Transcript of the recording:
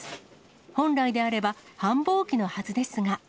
本来であれば、繁忙期のはずですが。